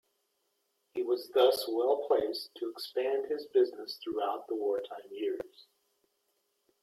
He was thus well placed to expand his business throughout the wartime years.